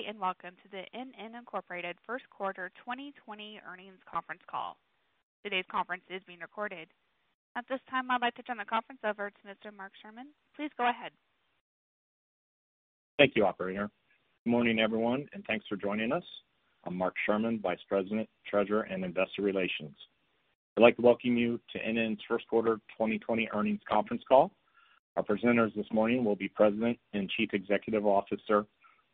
State and welcome to the NN Incorporated First Quarter 2020 Earnings Conference Call. Today's conference is being recorded. At this time, I'd like to turn the conference over to Mr. Mark Schuermann. Please go ahead. Thank you, Operator. Good morning, everyone, and thanks for joining us. I'm Mark Sherman, Vice President, Treasurer and Investor Relations. I'd like to welcome you to NN's First Quarter 2020 Earnings Conference Call. Our presenters this morning will be President and Chief Executive Officer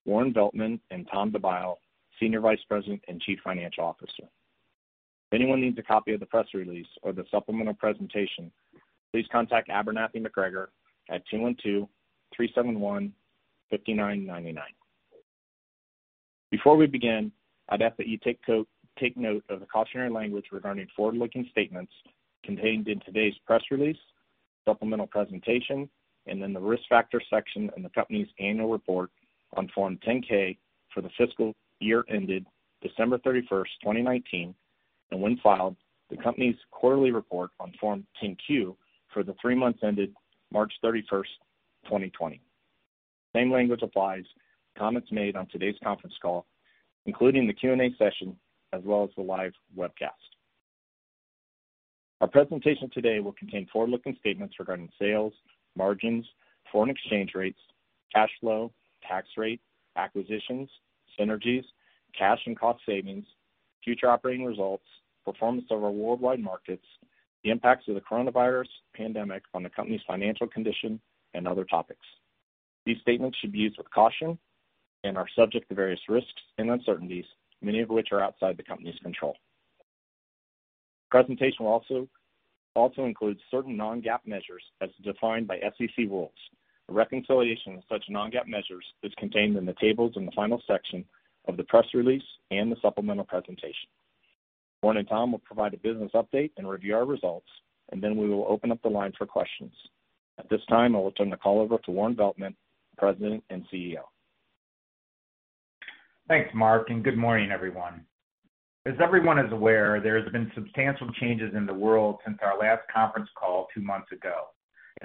Warren Veltman and Tom DeByle, Senior Vice President and Chief Financial Officer. If anyone needs a copy of the press release or the supplemental presentation, please contact Abernathy McGregor at 212-371-5999. Before we begin, I'd ask that you take note of the cautionary language regarding forward-looking statements contained in today's press release, supplemental presentation, and then the risk factor section in the company's annual report on Form 10-K for the fiscal year ended December 31st, 2019, and when filed, the company's quarterly report on Form 10-Q for the three months ended March 31st, 2020. Same language applies to comments made on today's conference call, including the Q&A session as well as the live webcast. Our presentation today will contain forward-looking statements regarding sales, margins, foreign exchange rates, cash flow, tax rate, acquisitions, synergies, cash and cost savings, future operating results, performance over worldwide markets, the impacts of the coronavirus pandemic on the company's financial condition, and other topics. These statements should be used with caution and are subject to various risks and uncertainties, many of which are outside the company's control. The presentation will also include certain non-GAAP measures as defined by SEC rules. The reconciliation of such non-GAAP measures is contained in the tables in the final section of the press release and the supplemental presentation. Warren and Tom will provide a business update and review our results, and then we will open up the line for questions. At this time, I will turn the call over to Warren Veltman, President and CEO. Thanks, Mark, and good morning, everyone. As everyone is aware, there have been substantial changes in the world since our last conference call two months ago.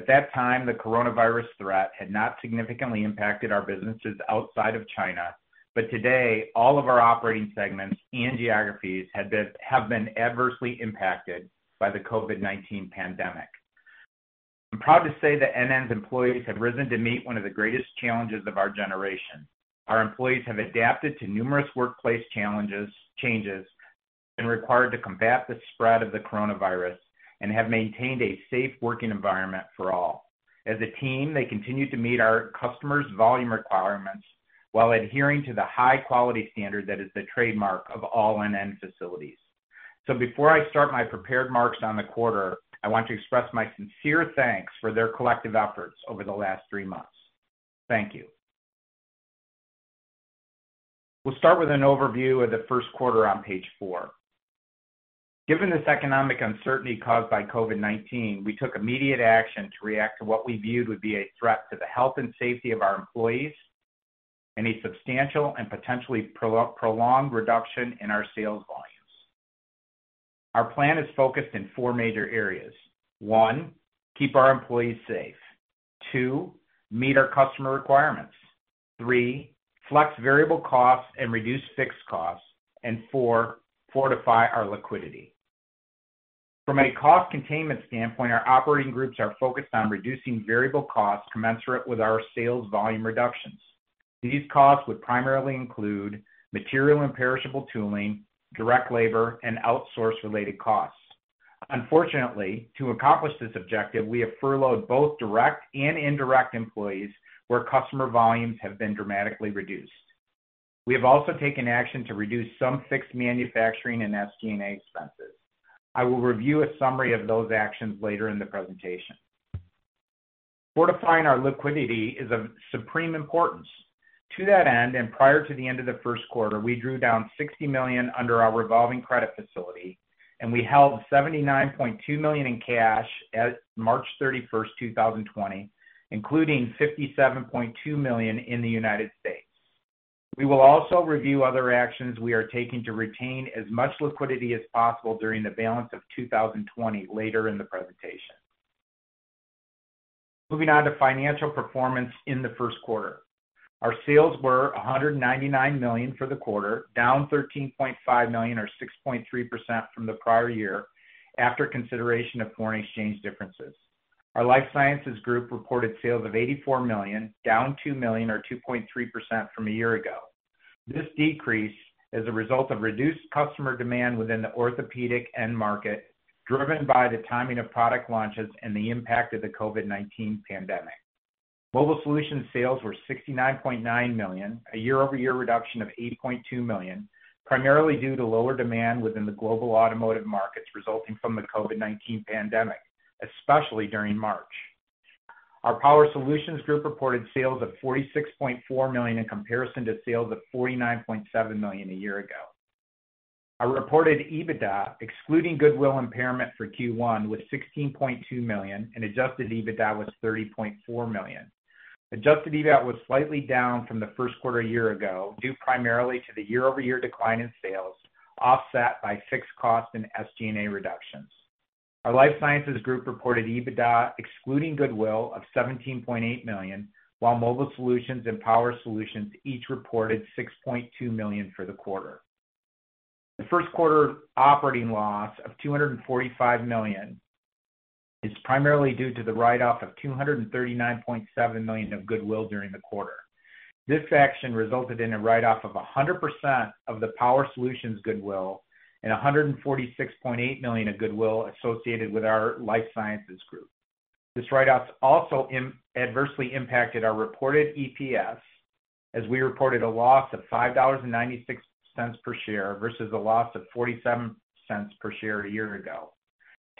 At that time, the coronavirus threat had not significantly impacted our businesses outside of China, but today, all of our operating segments and geographies have been adversely impacted by the (COVID-19) pandemic. I'm proud to say that NN's employees have risen to meet one of the greatest challenges of our generation. Our employees have adapted to numerous workplace changes required to combat the spread of the coronavirus and have maintained a safe working environment for all. As a team, they continue to meet our customers' volume requirements while adhering to the high-quality standard that is the trademark of all NN facilities. Before I start my prepared marks on the quarter, I want to express my sincere thanks for their collective efforts over the last three months. Thank you. We'll start with an overview of the first quarter on page four. Given this economic uncertainty caused by (COVID-19), we took immediate action to react to what we viewed would be a threat to the health and safety of our employees, and a substantial and potentially prolonged reduction in our sales volumes. Our plan is focused in four major areas. One, keep our employees safe. Two, meet our customer requirements. Three, flex variable costs and reduce fixed costs. Four, fortify our liquidity. From a cost containment standpoint, our operating groups are focused on reducing variable costs commensurate with our sales volume reductions. These costs would primarily include material and perishable tooling, direct labor, and outsource-related costs. Unfortunately, to accomplish this objective, we have furloughed both direct and indirect employees where customer volumes have been dramatically reduced. We have also taken action to reduce some fixed manufacturing and SG&A expenses. I will review a summary of those actions later in the presentation. Fortifying our liquidity is of supreme importance. To that end, and prior to the end of the first quarter, we drew down $60 million under our revolving credit facility, and we held $79.2 million in cash at March 31st, 2020, including $57.2 million in the United States. We will also review other actions we are taking to retain as much liquidity as possible during the balance of 2020 later in the presentation. Moving on to financial performance in the first quarter. Our sales were $199 million for the quarter, down $13.5 million, or 6.3%, from the prior year after consideration of foreign exchange differences. Our life sciences group reported sales of $84 million, down $2 million, or 2.3%, from a year ago. This decrease is a result of reduced customer demand within the orthopedic end market, driven by the timing of product launches and the impact of the (COVID-19) pandemic. Mobile solutions sales were $69.9 million, a year-over-year reduction of $8.2 million, primarily due to lower demand within the global automotive markets resulting from the (COVID-19) pandemic, especially during March. Our power solutions group reported sales of $46.4 million in comparison to sales of $49.7 million a year ago. Our reported EBITDA, excluding goodwill impairment for Q1, was $16.2 million, and adjusted EBITDA was $30.4 million. Adjusted EBITDA was slightly down from the first quarter a year ago due primarily to the year-over-year decline in sales, offset by fixed costs and SG&A reductions. Our life sciences group reported EBITDA, excluding goodwill, of $17.8 million, while mobile solutions and power solutions each reported $6.2 million for the quarter. The first quarter operating loss of $245 million is primarily due to the write-off of $239.7 million of goodwill during the quarter. This action resulted in a write-off of 100% of the power solutions goodwill and $146.8 million of goodwill associated with our life sciences group. This write-off also adversely impacted our reported EPS, as we reported a loss of $5.96 per share versus a loss of $0.47 per share a year ago.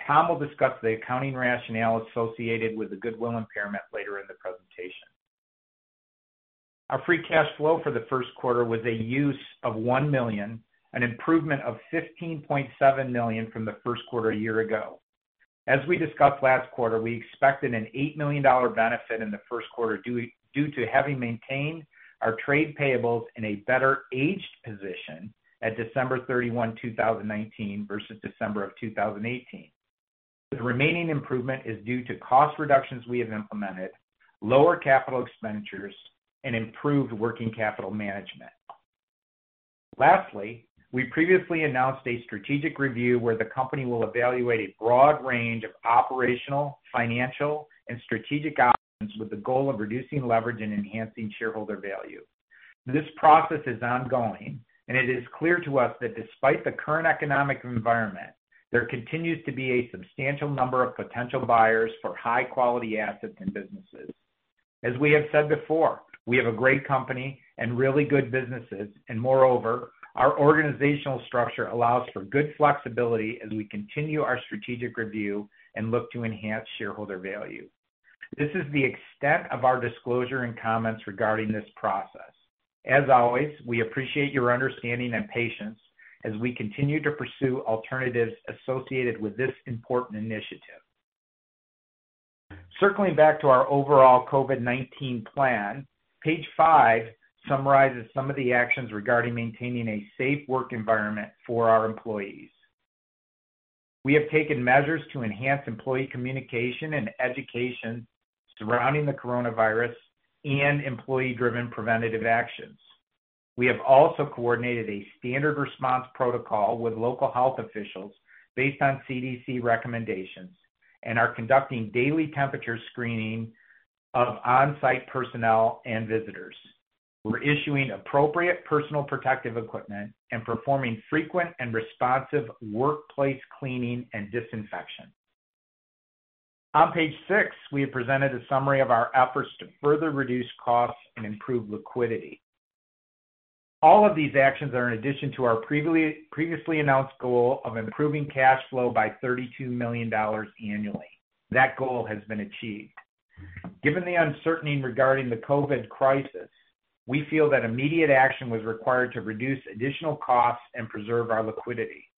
Tom will discuss the accounting rationale associated with the goodwill impairment later in the presentation. Our free cash flow for the first quarter was a use of $1 million, an improvement of $15.7 million from the first quarter a year ago. As we discussed last quarter, we expected an $8 million benefit in the first quarter due to having maintained our trade payables in a better aged position at December 31st, 2019, versus December of 2018. The remaining improvement is due to cost reductions we have implemented, lower capital expenditures, and improved working capital management. Lastly, we previously announced a strategic review where the company will evaluate a broad range of operational, financial, and strategic options with the goal of reducing leverage and enhancing shareholder value. This process is ongoing, and it is clear to us that despite the current economic environment, there continues to be a substantial number of potential buyers for high-quality assets and businesses. As we have said before, we have a great company and really good businesses, and moreover, our organizational structure allows for good flexibility as we continue our strategic review and look to enhance shareholder value. This is the extent of our disclosure and comments regarding this process. As always, we appreciate your understanding and patience as we continue to pursue alternatives associated with this important initiative. Circling back to our overall (COVID-19) plan, page five summarizes some of the actions regarding maintaining a safe work environment for our employees. We have taken measures to enhance employee communication and education surrounding the coronavirus and employee-driven preventative actions. We have also coordinated a standard response protocol with local health officials based on CDC recommendations and are conducting daily temperature screening of on-site personnel and visitors. We're issuing appropriate personal protective equipment and performing frequent and responsive workplace cleaning and disinfection. On page six, we have presented a summary of our efforts to further reduce costs and improve liquidity. All of these actions are in addition to our previously announced goal of improving cash flow by $32 million annually. That goal has been achieved. Given the uncertainty regarding the COVID crisis, we feel that immediate action was required to reduce additional costs and preserve our liquidity.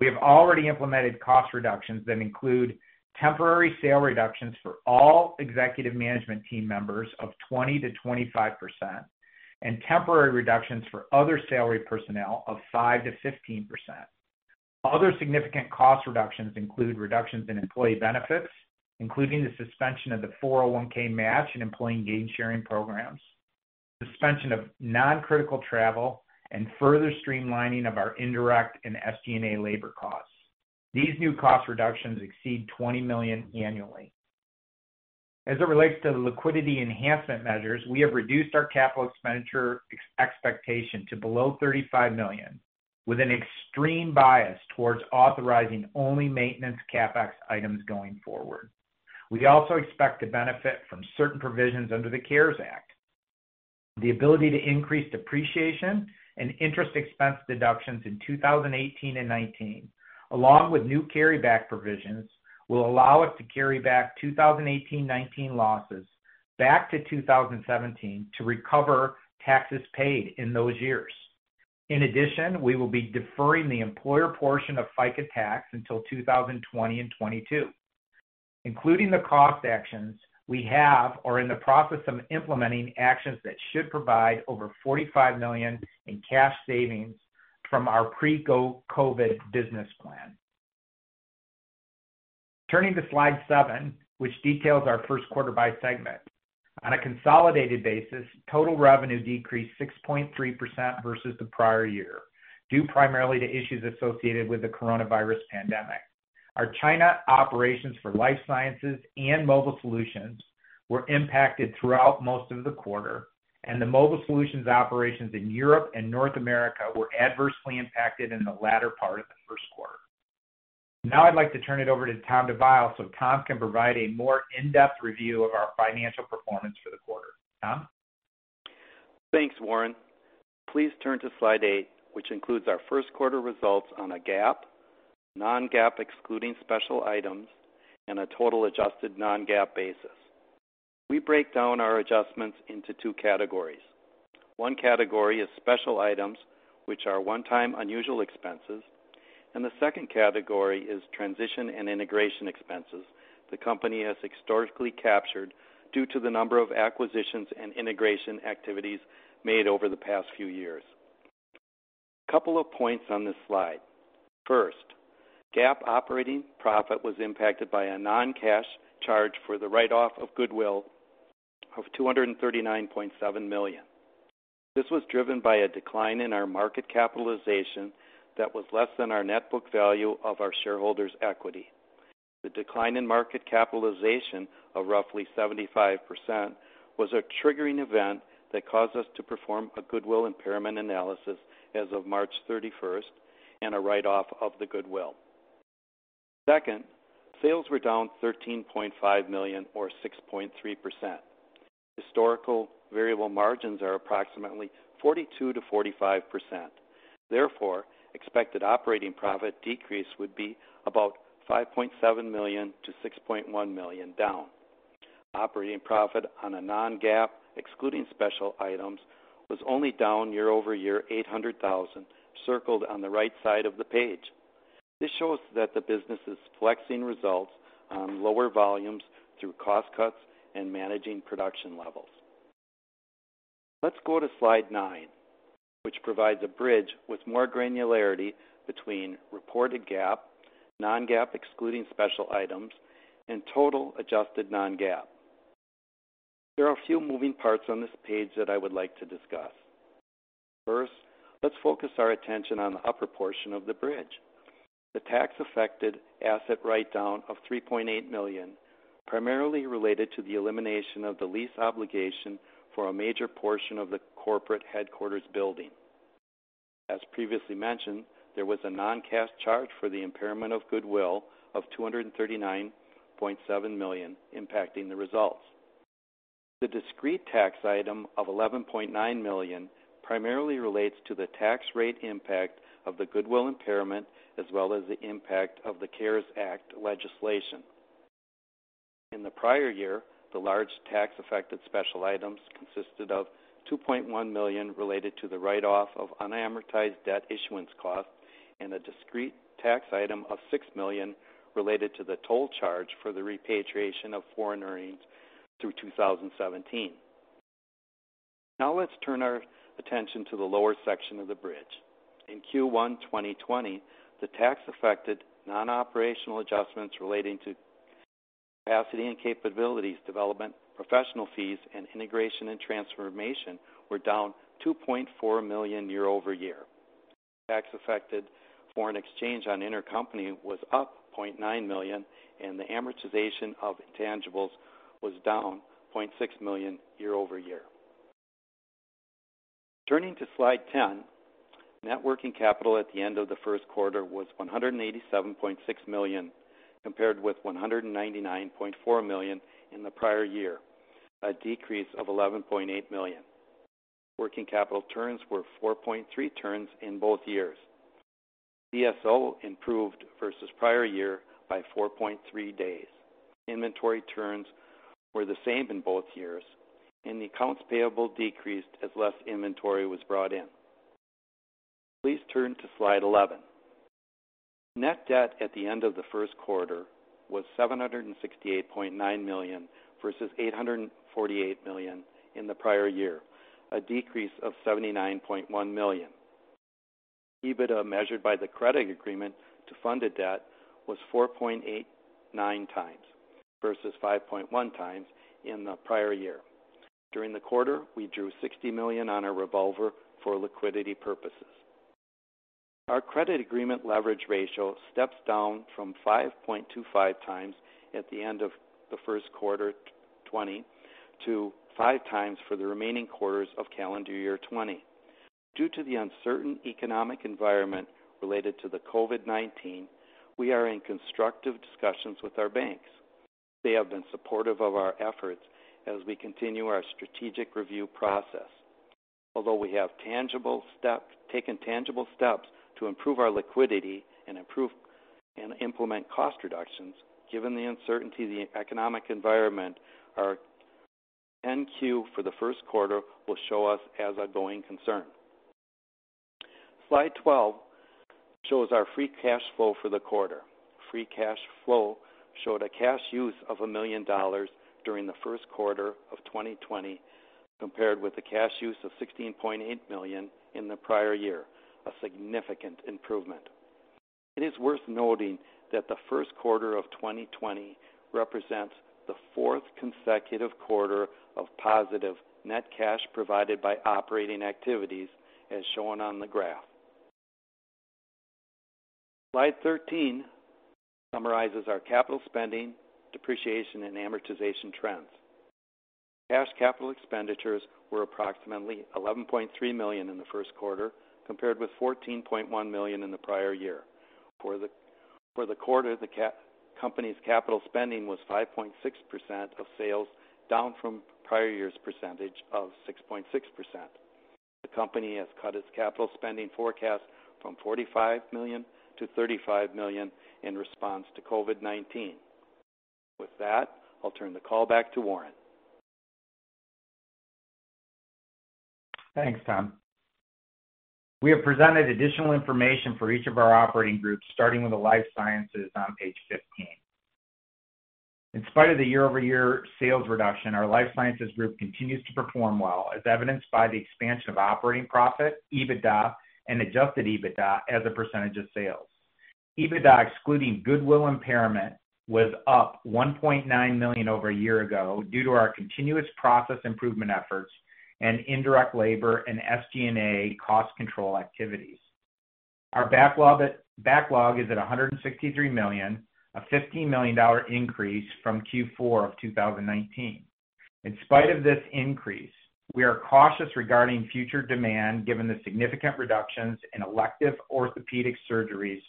We have already implemented cost reductions that include temporary salary reductions for all executive management team members of 20%-25% and temporary reductions for other salary personnel of 5%-15%. Other significant cost reductions include reductions in employee benefits, including the suspension of the 401(k) match and employee gain sharing programs, suspension of non-critical travel, and further streamlining of our indirect and SG&A labor costs. These new cost reductions exceed $20 million annually. As it relates to the liquidity enhancement measures, we have reduced our capital expenditure expectation to below $35 million, with an extreme bias towards authorizing only maintenance CapEx items going forward. We also expect to benefit from certain provisions under the CARES Act. The ability to increase depreciation and interest expense deductions in 2018 and 2019, along with new carryback provisions, will allow us to carry back 2018-2019 losses back to 2017 to recover taxes paid in those years. In addition, we will be deferring the employer portion of FICA tax until 2020 and 2022. Including the cost actions, we have or are in the process of implementing actions that should provide over $45 million in cash savings from our pre-COVID business plan. Turning to slide seven, which details our first quarter-by segment. On a consolidated basis, total revenue decreased 6.3% versus the prior year, due primarily to issues associated with the coronavirus pandemic. Our China operations for life sciences and mobile solutions were impacted throughout most of the quarter, and the mobile solutions operations in Europe and North America were adversely impacted in the latter part of the first quarter. Now I'd like to turn it over to Tom DeByle so Tom can provide a more in-depth review of our financial performance for the quarter. Tom? Thanks, Warren. Please turn to slide eight, which includes our first quarter results on a GAAP, non-GAAP excluding special items, and a total adjusted non-GAAP basis. We break down our adjustments into two categories. One category is special items, which are one-time unusual expenses, and the second category is transition and integration expenses the company has historically captured due to the number of acquisitions and integration activities made over the past few years. A couple of points on this slide. First, GAAP operating profit was impacted by a non-cash charge for the write-off of goodwill of $239.7 million. This was driven by a decline in our market capitalization that was less than our net book value of our shareholders' equity. The decline in market capitalization of roughly 75% was a triggering event that caused us to perform a goodwill impairment analysis as of March 31st and a write-off of the goodwill. Second, sales were down $13.5 million or 6.3%. Historical variable margins are approximately 42%-45%. Therefore, expected operating profit decrease would be about $5.7 million-$6.1 million down. Operating profit on a non-GAAP, excluding special items, was only down year-over-year $800,000, circled on the right side of the page. This shows that the business is flexing results on lower volumes through cost cuts and managing production levels. Let's go to slide nine, which provides a bridge with more granularity between reported GAAP, non-GAAP excluding special items, and total adjusted non-GAAP. There are a few moving parts on this page that I would like to discuss. First, let's focus our attention on the upper portion of the bridge. The tax-affected asset write-down of $3.8 million primarily related to the elimination of the lease obligation for a major portion of the corporate headquarters building. As previously mentioned, there was a non-cash charge for the impairment of goodwill of $239.7 million impacting the results. The discrete tax item of $11.9 million primarily relates to the tax rate impact of the goodwill impairment as well as the impact of the CARES Act legislation. In the prior year, the large tax-affected special items consisted of $2.1 million related to the write-off of unamortized debt issuance costs and a discrete tax item of $6 million related to the toll charge for the repatriation of foreign earnings through 2017. Now let's turn our attention to the lower section of the bridge. In Q1 2020, the tax-affected non-operational adjustments relating to capacity and capabilities development, professional fees, and integration and transformation were down $2.4 million year-over-year. Tax-affected foreign exchange on intercompany was up $0.9 million, and the amortization of intangibles was down $0.6 million year-over-year. Turning to slide ten, net working capital at the end of the first quarter was $187.6 million compared with $199.4 million in the prior year, a decrease of $11.8 million. Working capital turns were 4.3 turns in both years. BSO improved versus prior year by 4.3 days. Inventory turns were the same in both years, and the accounts payable decreased as less inventory was brought in. Please turn to slide 11. Net debt at the end of the first quarter was $768.9 million versus $848 million in the prior year, a decrease of $79.1 million. EBITDA measured by the credit agreement to funded debt was 4.89x versus 5.1x in the prior year. During the quarter, we drew $60 million on a revolver for liquidity purposes. Our credit agreement leverage ratio steps down from 5.25x at the end of the first quarter 2020 to 5x for the remaining quarters of calendar year 2020. Due to the uncertain economic environment related to the (COVID-19), we are in constructive discussions with our banks. They have been supportive of our efforts as we continue our strategic review process. Although we have taken tangible steps to improve our liquidity and implement cost reductions, given the uncertainty of the economic environment, our 10-Q for the first quarter will show us as a going concern. Slide 12 shows our free cash flow for the quarter. Free cash flow showed a cash use of $1 million during the first quarter of 2020 compared with a cash use of $16.8 million in the prior year, a significant improvement. It is worth noting that the first quarter of 2020 represents the fourth consecutive quarter of positive net cash provided by operating activities, as shown on the graph. Slide 13 summarizes our capital spending, depreciation, and amortization trends. Cash capital expenditures were approximately $11.3 million in the first quarter compared with $14.1 million in the prior year. For the quarter, the company's capital spending was 5.6% of sales, down from prior year's percentage of 6.6%. The company has cut its capital spending forecast from $45 million to $35 million in response to (COVID-19). With that, I'll turn the call back to Warren. Thanks, Tom. We have presented additional information for each of our operating groups, starting with the life sciences on page 15. In spite of the year-over-year sales reduction, our life sciences group continues to perform well, as evidenced by the expansion of operating profit, EBITDA, and adjusted EBITDA as a percentage of sales. EBITDA excluding goodwill impairment was up $1.9 million over a year ago due to our continuous process improvement efforts and indirect labor and SG&A cost control activities. Our backlog is at $163 million, a $15 million increase from Q4 of 2019. In spite of this increase, we are cautious regarding future demand given the significant reductions in elective orthopedic surgeries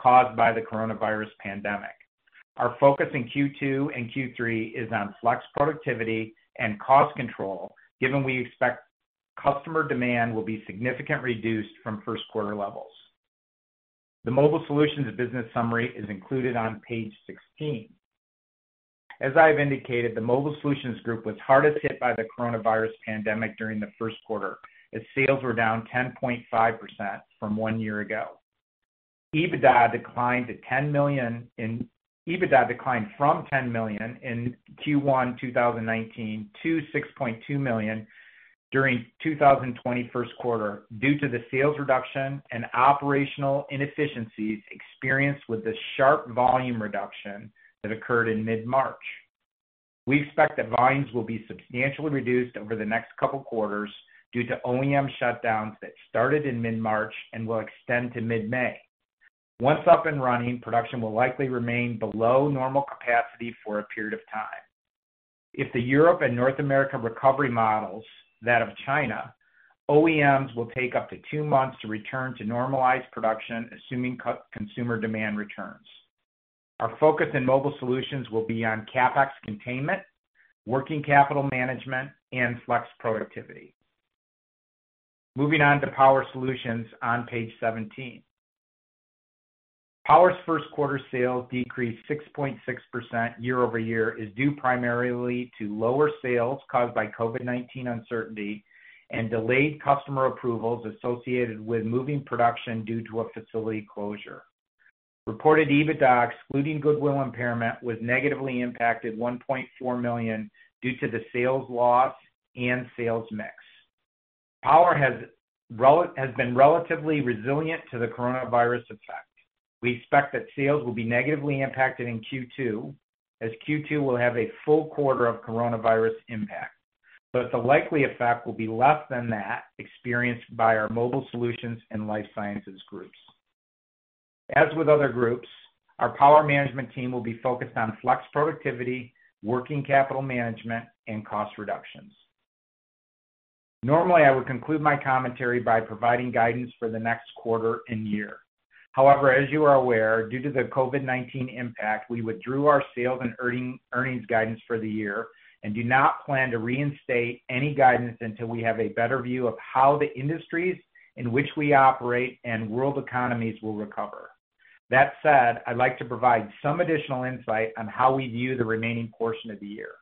caused by the coronavirus pandemic. Our focus in Q2 and Q3 is on flex productivity and cost control, given we expect customer demand will be significantly reduced from first quarter levels. The mobile solutions business summary is included on page 16. As I have indicated, the mobile solutions group was hardest hit by the coronavirus pandemic during the first quarter, as sales were down 10.5% from one year ago. EBITDA declined from $10 million in Q1 2019 to $6.2 million during 2020 first quarter due to the sales reduction and operational inefficiencies experienced with the sharp volume reduction that occurred in mid-March. We expect that volumes will be substantially reduced over the next couple of quarters due to OEM shutdowns that started in mid-March and will extend to mid-May. Once up and running, production will likely remain below normal capacity for a period of time. If the Europe and North America recovery models that of China, OEMs will take up to two months to return to normalized production, assuming consumer demand returns. Our focus in mobile solutions will be on CapEx containment, working capital management, and flex productivity. Moving on to power solutions on page 17. Power's first quarter sales decreased 6.6% year-over-year is due primarily to lower sales caused by (COVID-19) uncertainty and delayed customer approvals associated with moving production due to a facility closure. Reported EBITDA excluding goodwill impairment was negatively impacted $1.4 million due to the sales loss and sales mix. Power has been relatively resilient to the coronavirus effect. We expect that sales will be negatively impacted in Q2, as Q2 will have a full quarter of coronavirus impact. The likely effect will be less than that experienced by our mobile solutions and life sciences groups. As with other groups, our power management team will be focused on flex productivity, working capital management, and cost reductions. Normally, I would conclude my commentary by providing guidance for the next quarter and year. However, as you are aware, due to the (COVID-19) impact, we withdrew our sales and earnings guidance for the year and do not plan to reinstate any guidance until we have a better view of how the industries in which we operate and world economies will recover. That said, I'd like to provide some additional insight on how we view the remaining portion of the year.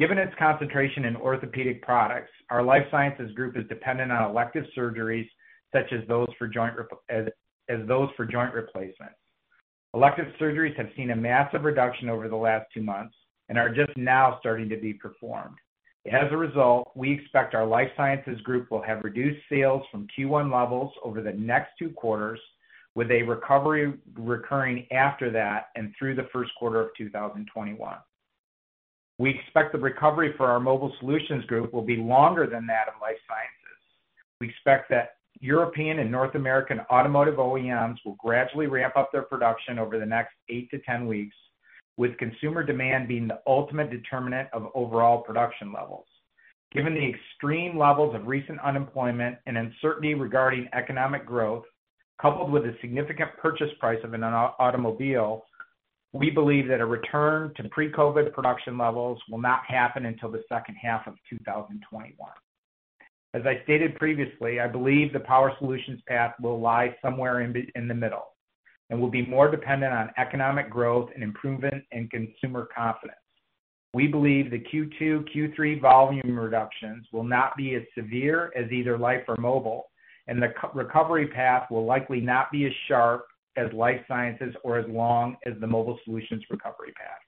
Given its concentration in orthopedic products, our life sciences group is dependent on elective surgeries such as those for joint replacements. Elective surgeries have seen a massive reduction over the last two months and are just now starting to be performed. As a result, we expect our life sciences group will have reduced sales from Q1 levels over the next two quarters, with a recovery recurring after that and through the first quarter of 2021. We expect the recovery for our mobile solutions group will be longer than that of life sciences. We expect that European and North American automotive OEMs will gradually ramp up their production over the next 8-10 weeks, with consumer demand being the ultimate determinant of overall production levels. Given the extreme levels of recent unemployment and uncertainty regarding economic growth, coupled with a significant purchase price of an automobile, we believe that a return to pre-COVID production levels will not happen until the second half of 2021. As I stated previously, I believe the power solutions path will lie somewhere in the middle and will be more dependent on economic growth and improvement in consumer confidence. We believe the Q2, Q3 volume reductions will not be as severe as either life or mobile, and the recovery path will likely not be as sharp as life sciences or as long as the mobile solutions recovery path.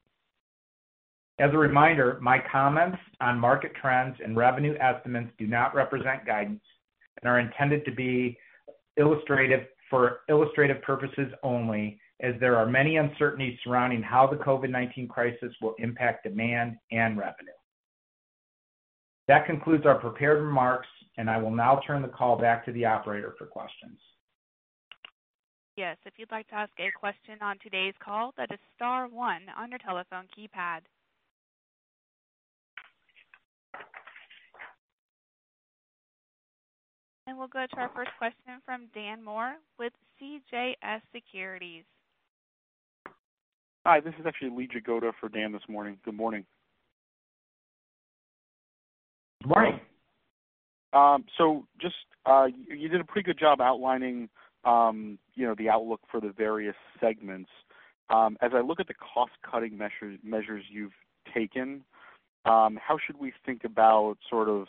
As a reminder, my comments on market trends and revenue estimates do not represent guidance and are intended to be illustrative for illustrative purposes only, as there are many uncertainties surrounding how the (COVID-19) crisis will impact demand and revenue. That concludes our prepared remarks, and I will now turn the call back to the operator for questions. Yes, if you'd like to ask a question on today's call, that is star 1 on your telephone keypad. We'll go to our first question from Dan Moore with CJS Securities. Hi, this is actually Lee Jagoda for Dan this morning. Good morning. Good morning. You did a pretty good job outlining the outlook for the various segments. As I look at the cost-cutting measures you've taken, how should we think about sort of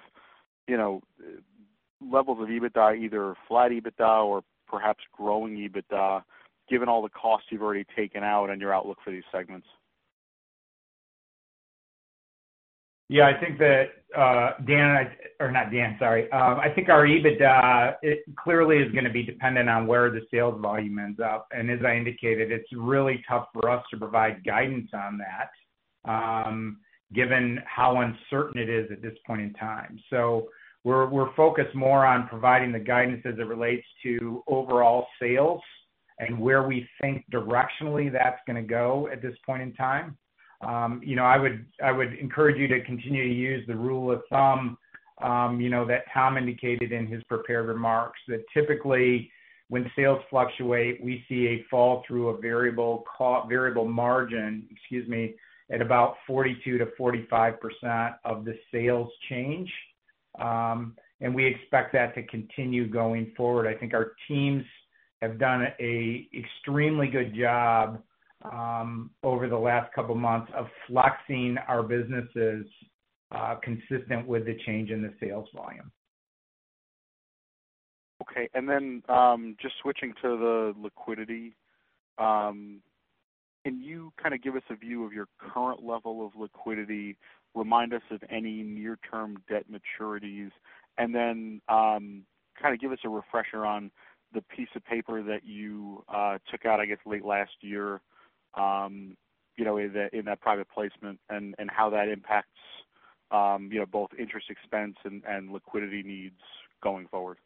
levels of EBITDA, either flat EBITDA or perhaps growing EBITDA, given all the costs you've already taken out on your outlook for these segments? Yeah, I think that Dan, or not Dan, sorry. I think our EBITDA clearly is going to be dependent on where the sales volume ends up. As I indicated, it's really tough for us to provide guidance on that given how uncertain it is at this point in time. We are focused more on providing the guidance as it relates to overall sales and where we think directionally that's going to go at this point in time. I would encourage you to continue to use the rule of thumb that Tom indicated in his prepared remarks that typically when sales fluctuate, we see a fall through a variable margin, excuse me, at about 42%-45% of the sales change. We expect that to continue going forward. I think our teams have done an extremely good job over the last couple of months of flexing our businesses consistent with the change in the sales volume. Okay. Just switching to the liquidity, can you kind of give us a view of your current level of liquidity, remind us of any near-term debt maturities, and then kind of give us a refresher on the piece of paper that you took out, I guess, late last year in that private placement and how that impacts both interest expense and liquidity needs going forward?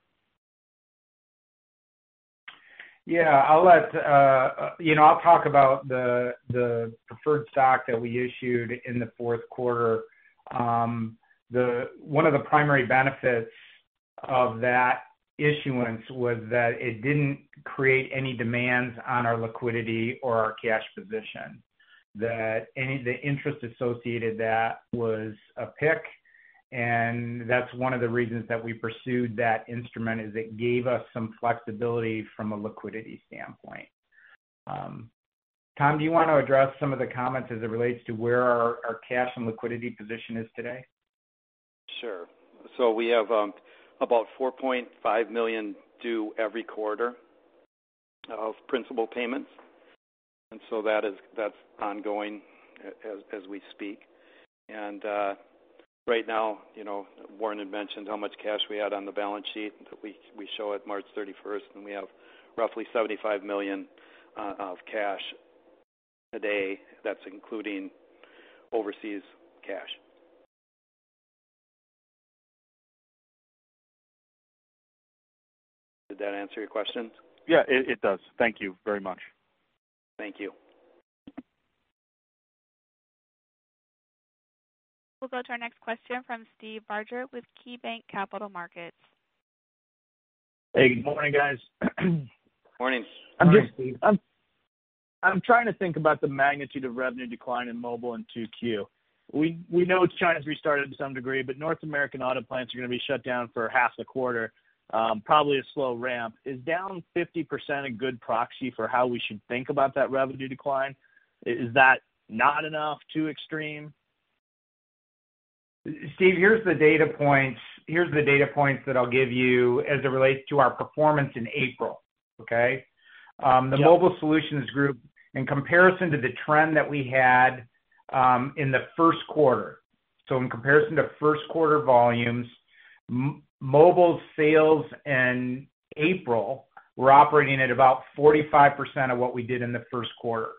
Yeah, I'll talk about the preferred stock that we issued in the fourth quarter. One of the primary benefits of that issuance was that it didn't create any demands on our liquidity or our cash position. The interest associated with that was a PIK, and that's one of the reasons that we pursued that instrument as it gave us some flexibility from a liquidity standpoint. Tom, do you want to address some of the comments as it relates to where our cash and liquidity position is today? Sure. We have about $4.5 million due every quarter of principal payments. That is ongoing as we speak. Right now, Warren had mentioned how much cash we had on the balance sheet that we show at March 31st, and we have roughly $75 million of cash today. That is including overseas cash. Did that answer your question? Yeah, it does. Thank you very much. Thank you. We'll go to our next question from Steve Barger with KeyBanc Capital Markets. Hey, good morning, guys. Morning. Hi, Steve. I'm trying to think about the magnitude of revenue decline in mobile in QQ. We know China's restarted to some degree, but North American auto plants are going to be shut down for half the quarter, probably a slow ramp. Is down 50% a good proxy for how we should think about that revenue decline? Is that not enough, too extreme? Steve, here's the data points. Here's the data points that I'll give you as it relates to our performance in April, okay? The mobile solutions group, in comparison to the trend that we had in the first quarter, so in comparison to first quarter volumes, mobile sales in April were operating at about 45% of what we did in the first quarter.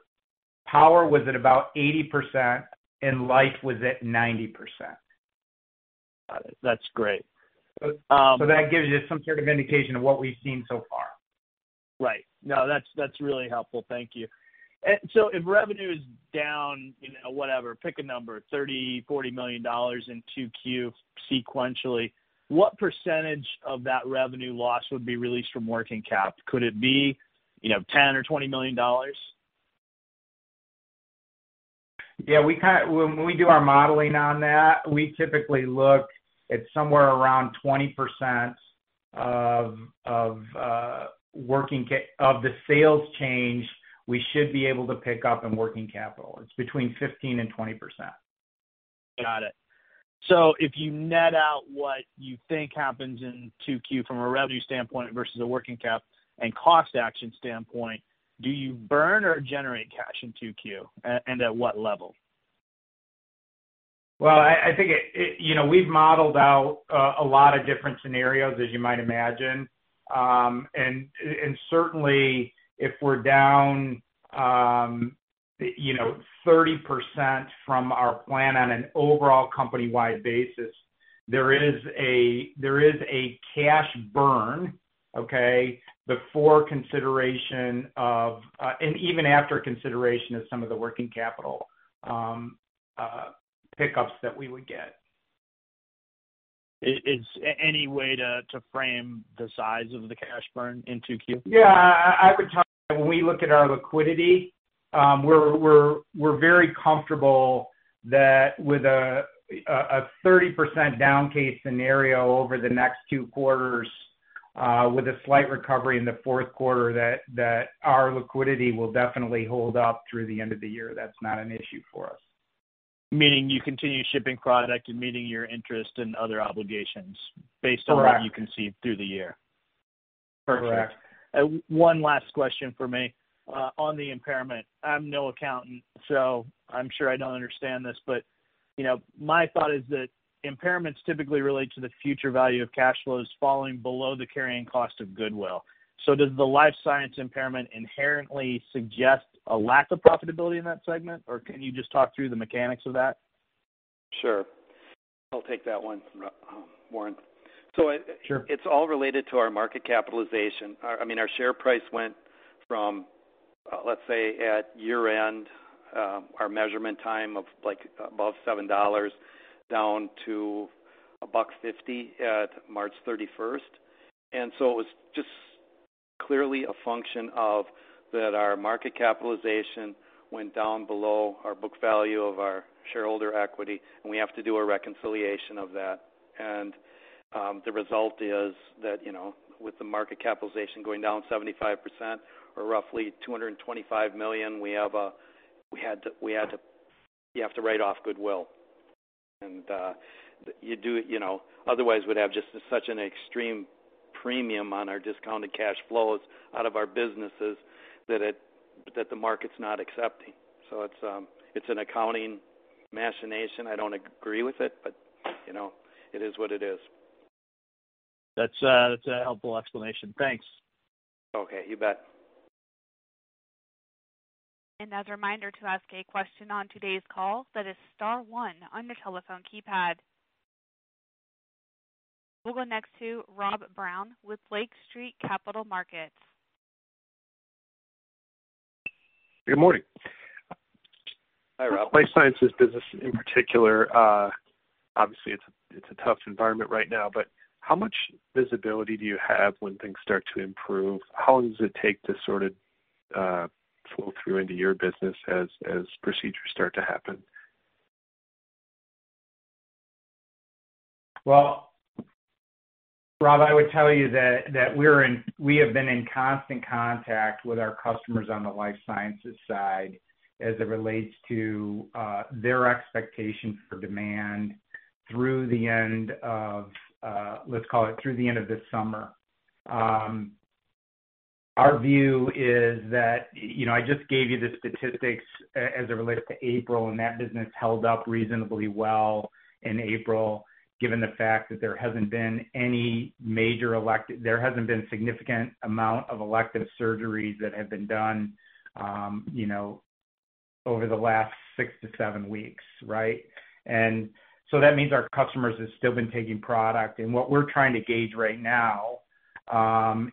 Power was at about 80%, and life was at 90%. Got it. That's great. That gives you some sort of indication of what we've seen so far. Right. No, that's really helpful. Thank you. If revenue is down, whatever, pick a number, $30 million-$40 million in QQ sequentially, what percentage of that revenue loss would be released from working cap? Could it be $10 million or $20 million? Yeah, when we do our modeling on that, we typically look at somewhere around 20% of the sales change we should be able to pick up in working capital. It's between 15% and 20%. Got it. If you net out what you think happens in QQ from a revenue standpoint versus a working cap and cost action standpoint, do you burn or generate cash in QQ, and at what level? I think we've modeled out a lot of different scenarios, as you might imagine. Certainly, if we're down 30% from our plan on an overall company-wide basis, there is a cash burn, okay, before consideration of and even after consideration of some of the working capital pickups that we would get. Is any way to frame the size of the cash burn in QQ? Yeah, I would tell you that when we look at our liquidity, we're very comfortable that with a 30% down case scenario over the next two quarters, with a slight recovery in the fourth quarter, that our liquidity will definitely hold up through the end of the year. That's not an issue for us. Meaning you continue shipping product and meeting your interest and other obligations based on what you can see through the year. Correct. Perfect. One last question for me on the impairment. I'm no accountant, so I'm sure I don't understand this, but my thought is that impairments typically relate to the future value of cash flows falling below the carrying cost of goodwill. Does the life science impairment inherently suggest a lack of profitability in that segment, or can you just talk through the mechanics of that? Sure. I'll take that one, Warren. It's all related to our market capitalization. I mean, our share price went from, let's say, at year-end, our measurement time of above $7 down to a $1.50 at March 31st. It was just clearly a function of that our market capitalization went down below our book value of our shareholder equity, and we have to do a reconciliation of that. The result is that with the market capitalization going down 75% or roughly $225 million, we have to write off goodwill. Otherwise, we'd have just such an extreme premium on our discounted cash flows out of our businesses that the market's not accepting. It's an accounting machination. I don't agree with it, but it is what it is. That's a helpful explanation. Thanks. Okay. You bet. As a reminder to ask a question on today's call, that is star 1 on your telephone keypad. We'll go next to Rob Brown with Lake Street Capital Markets. Good morning. Hi, Rob. Life sciences business in particular, obviously, it's a tough environment right now, but how much visibility do you have when things start to improve? How long does it take to sort of flow through into your business as procedures start to happen? Rob, I would tell you that we have been in constant contact with our customers on the life sciences side as it relates to their expectation for demand through the end of, let's call it, through the end of this summer. Our view is that I just gave you the statistics as it relates to April, and that business held up reasonably well in April, given the fact that there hasn't been any major elective, there hasn't been a significant amount of elective surgeries that have been done over the last six to seven weeks, right? That means our customers have still been taking product. What we're trying to gauge right now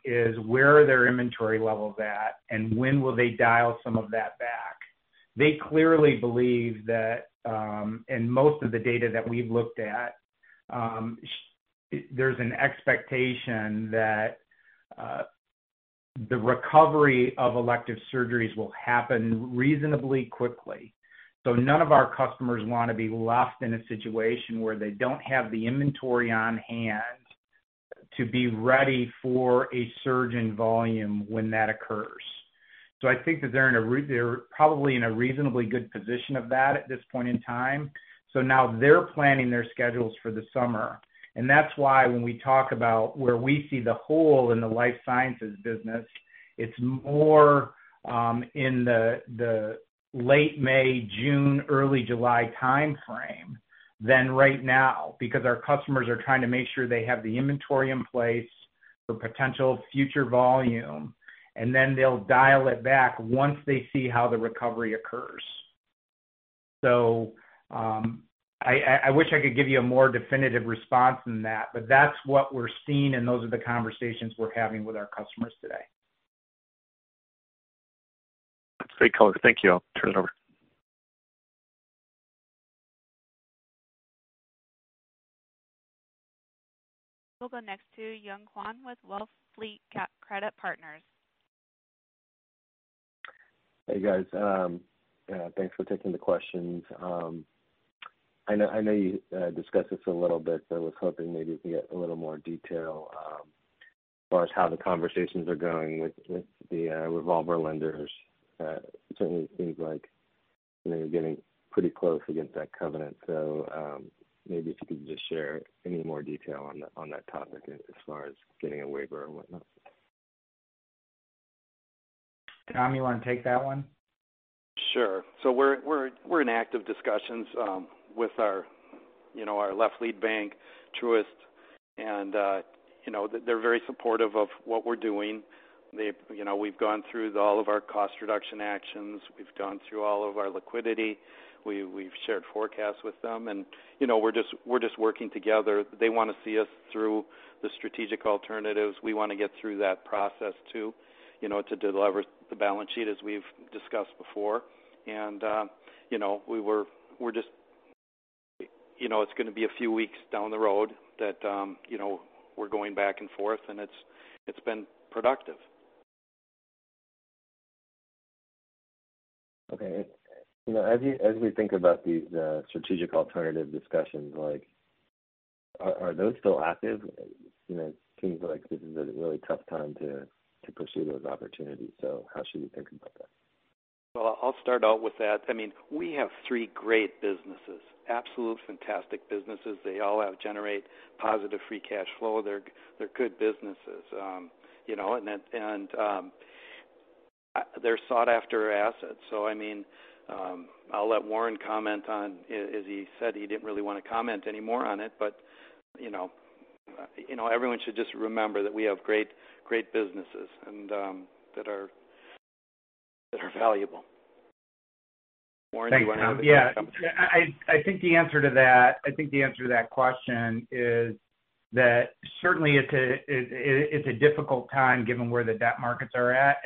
is where are their inventory levels at, and when will they dial some of that back? They clearly believe that, in most of the data that we've looked at, there's an expectation that the recovery of elective surgeries will happen reasonably quickly. None of our customers want to be left in a situation where they don't have the inventory on hand to be ready for a surge in volume when that occurs. I think that they're probably in a reasonably good position of that at this point in time. Now they're planning their schedules for the summer. That's why when we talk about where we see the hole in the life sciences business, it's more in the late May, June, early July timeframe than right now because our customers are trying to make sure they have the inventory in place for potential future volume, and then they'll dial it back once they see how the recovery occurs. I wish I could give you a more definitive response than that, but that's what we're seeing, and those are the conversations we're having with our customers today. Great color. Thank you. I'll turn it over. We'll go next to Yung Hwan with WellFleet Credit Partners. Hey, guys. Thanks for taking the questions. I know you discussed this a little bit, so I was hoping maybe we could get a little more detail as far as how the conversations are going with the revolver lenders. Certainly, it seems like you're getting pretty close against that covenant. Maybe if you could just share any more detail on that topic as far as getting a waiver and whatnot. Tom, you want to take that one? Sure. We are in active discussions with our left lead bank, Truist. They are very supportive of what we are doing. We have gone through all of our cost reduction actions. We have gone through all of our liquidity. We have shared forecasts with them. We are just working together. They want to see us through the strategic alternatives. We want to get through that process too to deliver the balance sheet, as we have discussed before. It is going to be a few weeks down the road that we are going back and forth, and it has been productive. Okay. As we think about these strategic alternative discussions, are those still active? It seems like this is a really tough time to pursue those opportunities. How should we think about that? I'll start out with that. I mean, we have three great businesses, absolute fantastic businesses. They all generate positive free cash flow. They're good businesses. They're sought-after assets. I mean, I'll let Warren comment on—he said he didn't really want to comment anymore on it, but everyone should just remember that we have great businesses that are valuable. Warren, do you want to have a comment? Yeah. I think the answer to that question is that certainly, it's a difficult time given where the debt markets are at.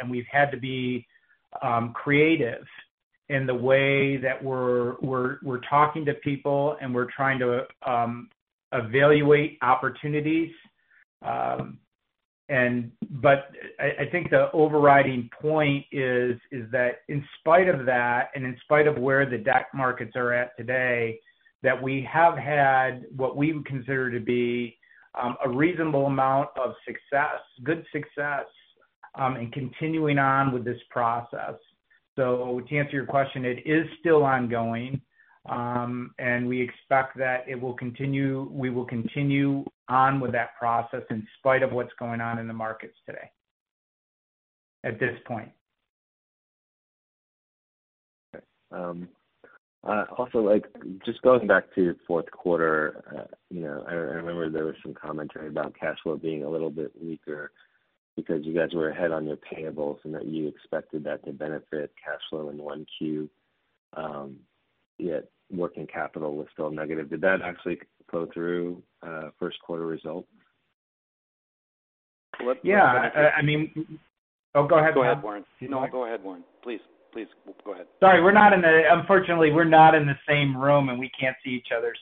We've had to be creative in the way that we're talking to people, and we're trying to evaluate opportunities. I think the overriding point is that in spite of that and in spite of where the debt markets are at today, we have had what we would consider to be a reasonable amount of success, good success, in continuing on with this process. To answer your question, it is still ongoing, and we expect that it will continue. We will continue on with that process in spite of what's going on in the markets today at this point. Okay. Also, just going back to fourth quarter, I remember there was some commentary about cash flow being a little bit weaker because you guys were ahead on your payables and that you expected that to benefit cash flow in 1Q, yet working capital was still negative. Did that actually flow through first quarter results? Yeah. I mean. Oh, go ahead, Warren. No, go ahead, Warren. Please, please go ahead. Sorry. Unfortunately, we're not in the same room, and we can't see each other.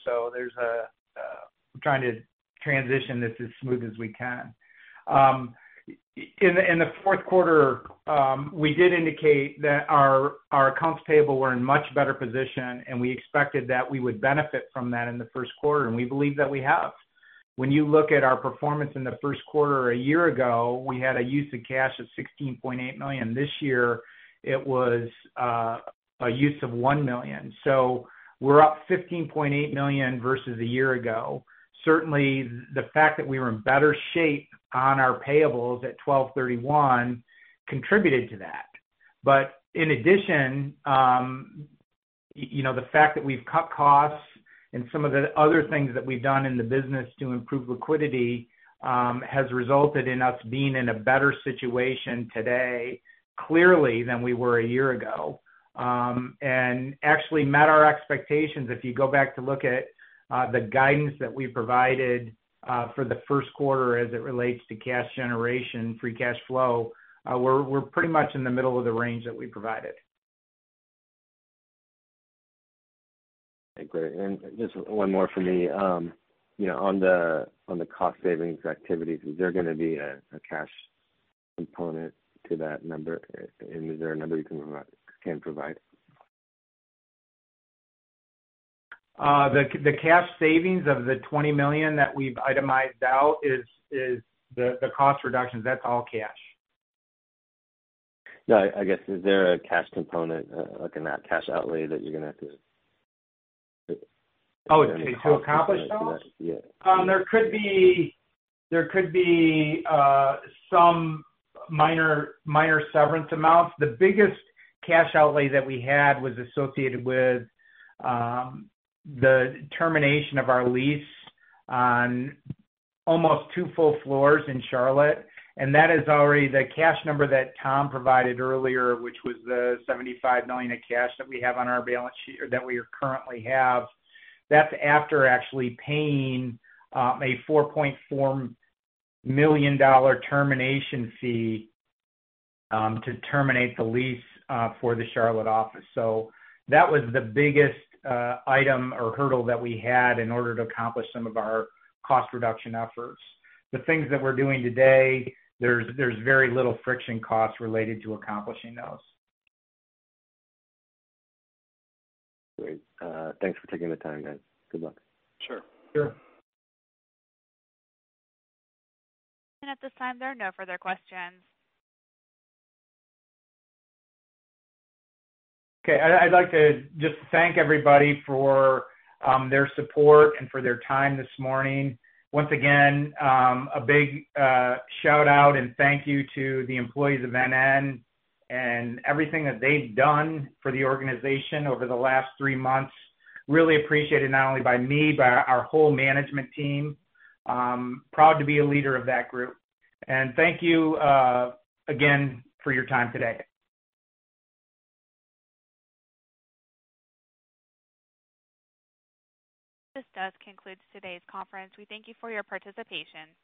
We're trying to transition this as smooth as we can. In the fourth quarter, we did indicate that our accounts payable were in a much better position, and we expected that we would benefit from that in the first quarter, and we believe that we have. When you look at our performance in the first quarter a year ago, we had a use of cash of $16.8 million. This year, it was a use of $1 million. We're up $15.8 million versus a year ago. Certainly, the fact that we were in better shape on our payables at 12.31 contributed to that. In addition, the fact that we've cut costs and some of the other things that we've done in the business to improve liquidity has resulted in us being in a better situation today, clearly, than we were a year ago, and actually met our expectations. If you go back to look at the guidance that we provided for the first quarter as it relates to cash generation, free cash flow, we're pretty much in the middle of the range that we provided. Okay. Great. Just one more for me. On the cost savings activities, is there going to be a cash component to that number? Is there a number you can provide? The cash savings of the $20 million that we've itemized out is the cost reductions. That's all cash. Yeah. I guess, is there a cash component, like a cash outlay that you're going to have to? Oh, to accomplish those? Yeah. There could be some minor severance amounts. The biggest cash outlay that we had was associated with the termination of our lease on almost two full floors in Charlotte. That is already the cash number that Tom provided earlier, which was the $75 million in cash that we have on our balance sheet or that we currently have. That's after actually paying a $4.4 million termination fee to terminate the lease for the Charlotte office. That was the biggest item or hurdle that we had in order to accomplish some of our cost reduction efforts. The things that we're doing today, there's very little friction cost related to accomplishing those. Great. Thanks for taking the time, guys. Good luck. Sure. Sure. At this time, there are no further questions. Okay. I'd like to just thank everybody for their support and for their time this morning. Once again, a big shout-out and thank you to the employees of NN and everything that they've done for the organization over the last three months. Really appreciated not only by me, but our whole management team. Proud to be a leader of that group. Thank you again for your time today. This does conclude today's conference. We thank you for your participation.